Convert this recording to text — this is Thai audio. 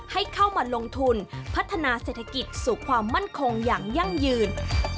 ให้เข้ามาลงทุนพัฒนาเศรษฐกิจสู่ความมั่นคงอย่างยั่งยืน